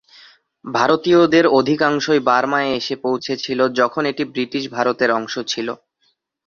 ভারতীয়দের অধিকাংশই বার্মায় এসে পৌঁছেছিল যখন এটি ব্রিটিশ ভারতের অংশ ছিল।